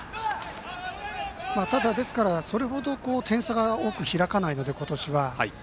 ただ、それほど点差が多く開かないので、今年は。